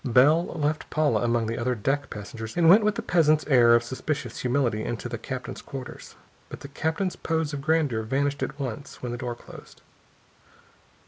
Bell left Paula among the other deck passengers and went with the peasant's air of suspicious humility into the captain's quarters. But the captain's pose of grandeur vanished at once when the door closed.